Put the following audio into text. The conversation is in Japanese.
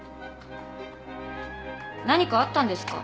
何かあったんですか？